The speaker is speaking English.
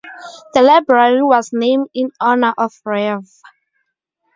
The library was named in honor of Rev.